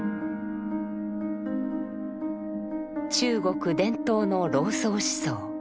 中国伝統の老荘思想。